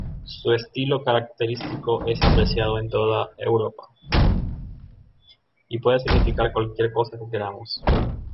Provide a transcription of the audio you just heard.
Y puede significar cualquier cosa que queramos.